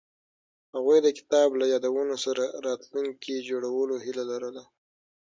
هغوی د کتاب له یادونو سره راتلونکی جوړولو هیله لرله.